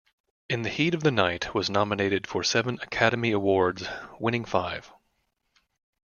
"In the Heat of the Night" was nominated for seven Academy Awards, winning five.